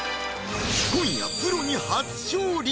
今夜プロに初勝利！